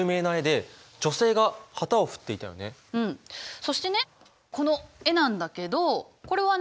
そしてねこの絵なんだけどこれはね